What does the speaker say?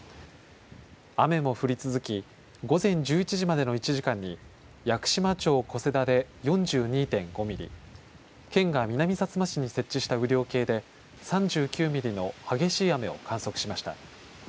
雨も降り続き午前１１時までの１時間に屋久島町小瀬田で４２．５ミリ、県が南さつま市に設置した雨量計で、３９ミリの激しい雨を観測しました。